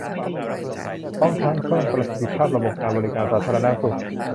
พร้อมทั้งเพิ่มประสิทธิภาพระบบการบริการสาธารณสุข